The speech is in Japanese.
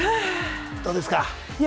どうですか？